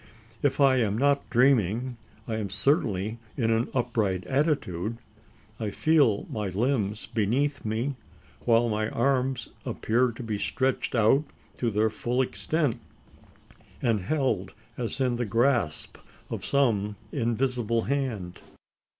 If I am not dreaming, I am certainly in an upright attitude. I feel my limbs beneath me; while my arms appear to be stretched out to their full extent, and held as in the grasp of some invisible hand!